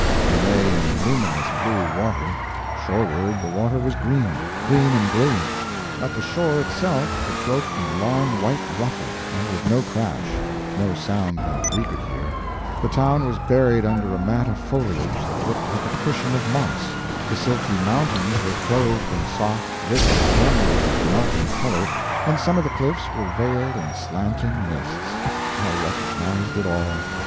We lay in luminous blue water; shoreward the water was green green and brilliant; at the shore itself it broke in a long white ruffle, and with no crash, no sound that we could hear. The town was buried under a mat of foliage that looked like a cushion of moss. The silky mountains were clothed in soft, rich splendors of melting color, and some of the cliffs were veiled in slanting mists. I recognized it all.